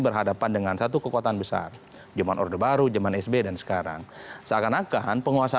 berhadapan dengan satu kekuatan besar zaman orde baru zaman sb dan sekarang seakan akan penguasa